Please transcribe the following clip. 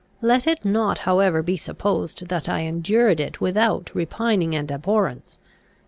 Let it not however be supposed that I endured it without repining and abhorrence.